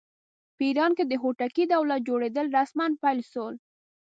په ایران کې د هوتکي دولت جوړېدل رسماً پیل شول.